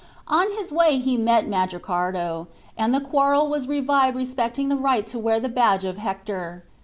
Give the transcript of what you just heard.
On his way he met with Mandricardo, and the quarrel was revived respecting the right to wear the badge of Hector.